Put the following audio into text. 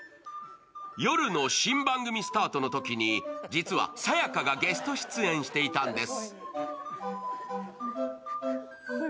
夜の新番組スタートのときに実は、さや香がゲスト出演していたんです。